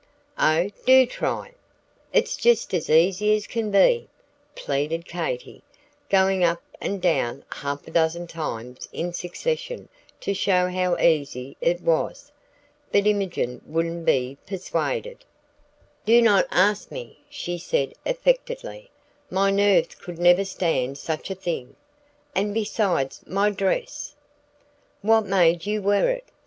"Oh, do try! It's just as easy as can be," pleaded Katy, going up and down half a dozen times in succession to show how easy it was. But Imogen wouldn't be persuaded. "Do not ask me," she said affectedly; "my nerves would never stand such a thing! And besides my dress!" "What made you wear it?"